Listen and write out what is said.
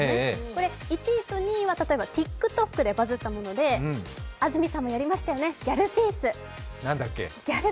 これ、１位と２位はＴｉｋＴｏｋでバズったもので安住さんもやりましたよね、ギャルピース。